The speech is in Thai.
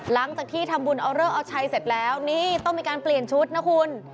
หลังจากที่ทำบุญเอาเลิกเอาชัยเสร็จแล้วนี่ต้องมีการเปลี่ยนชุดนะคุณ